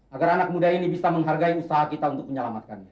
agar anak muda ini bisa menghargai usaha kita untuk menyelamatkannya